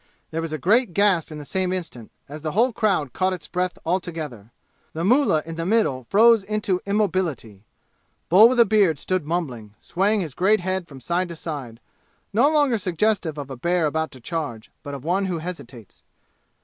There was a great gasp the same instant, as the whole crowd caught its breath all together. The mullah in the middle froze into immobility. Bull with a beard stood mumbling, swaying his great head from side to side, no longer suggestive of a bear about to charge, but of one who hesitates.